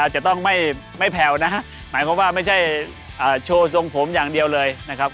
จะต้องไม่แผ่วนะฮะหมายความว่าไม่ใช่โชว์ทรงผมอย่างเดียวเลยนะครับ